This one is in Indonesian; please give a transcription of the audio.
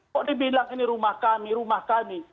kok dibilang ini rumah kami rumah kami